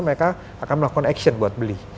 mereka akan melakukan action buat beli